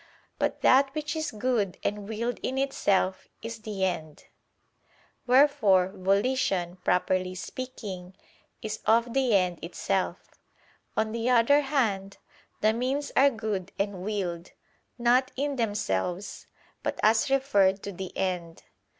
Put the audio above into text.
But that which is good and willed in itself is the end. Wherefore volition, properly speaking, is of the end itself. On the other hand, the means are good and willed, not in themselves, but as referred to the end.